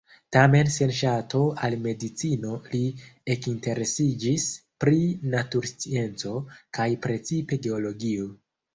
Tamen sen ŝato al medicino li ekinteresiĝis pri naturscienco, kaj precipe geologio.